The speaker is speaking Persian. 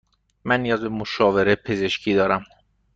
من نیاز به مشاوره پزشکی دارم.